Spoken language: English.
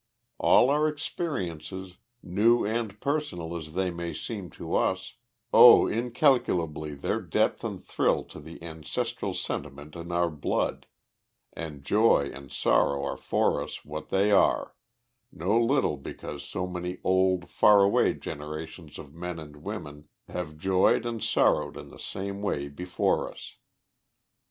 All our experiences, new and personal as they may seem to us, owe incalculably their depth and thrill to the ancestral sentiment in our blood, and joy and sorrow are for us what they are, no little because so many old, far away generations of men and women have joyed and sorrowed in the same way before us.